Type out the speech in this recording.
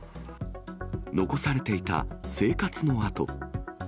残されていた生活の跡。